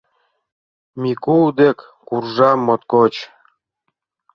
Мику дек куржам моткоч.